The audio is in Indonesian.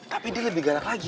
tapi dia lebih galak lagi